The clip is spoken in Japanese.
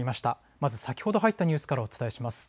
まず先ほど入ったニュースからお伝えします。